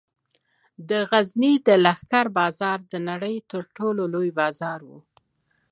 د غزني د لښکر بازار د نړۍ تر ټولو لوی بازار و